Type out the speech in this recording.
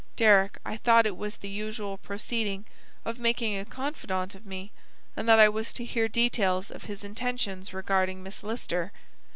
Deryck, I thought it was the usual proceeding of making a confidante of me, and that I was to hear details of his intentions regarding Miss Lister.